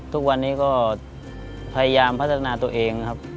ทุกวันนี้ก็พยายามพัฒนาตัวเองครับ